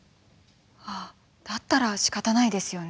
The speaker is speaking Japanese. ああだったらしかたないですよね。